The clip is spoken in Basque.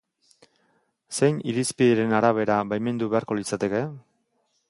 Zein irizpideren arabera baimendu beharko litzateke?